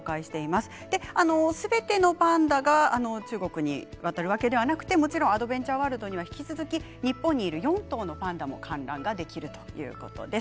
すべてのパンダが中国に渡るだけではなくてもちろんアドベンチャーワールドには引き続き日本にいる４頭のパンダも観覧ができるということです。